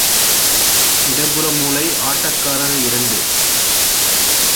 இடப்புற முனை ஆட்டக்காரர் இரண்டு.